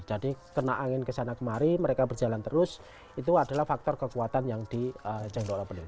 jadi kena angin ke sana kemari mereka berjalan terus itu adalah faktor kekuatan yang di ece gondok rapelnya